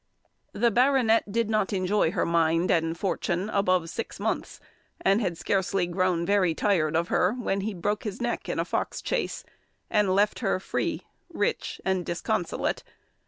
The baronet did not enjoy her mind and fortune above six months, and had scarcely grown very tired of her, when he broke his neck in a fox chase and left her free, rich, and disconsolate.